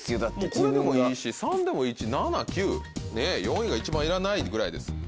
これでもいいし３でも１７９４位が一番いらないぐらいです。